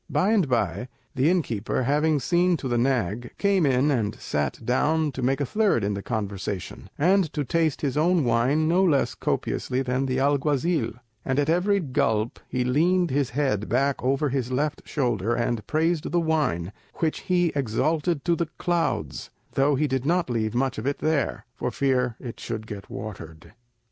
By and by, the innkeeper, having seen to the nag, came in and sat down to make a third in the conversation, and to taste his own wine no less copiously than the alguazil; and at every gulp he leaned his head back over his left shoulder, and praised the wine, which he exalted to the clouds, though he did not leave much of it there, for fear it should get watered.